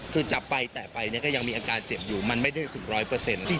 คือจะไปแต่ไปยังมีอาการเจ็บอยู่มันไม่ได้ถึง๑๐๐